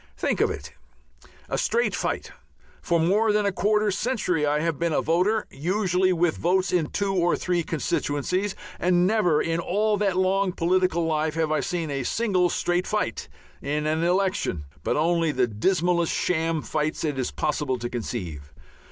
Think of it! A straight fight! For more than a quarter century I have been a voter, usually with votes in two or three constituencies, and never in all that long political life have I seen a single straight fight in an election, but only the dismallest sham fights it is possible to conceive.